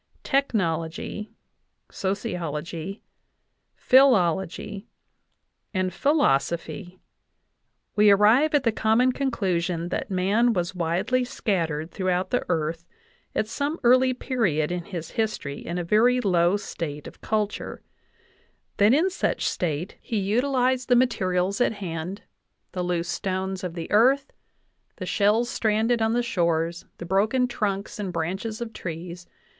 tech nology, ... sociology, ... philology, ..". and philosophy, we arrive at the common conclusion that man was widely scattered throughout the earth at some early period in his history in a, very low state of culture ; that in such state he 68 JOHN WESLEY POWELL DAVIS utilized the materials at hand the loose stones of the earth, the shells stranded on the shores, the broken trunks and branches of trees.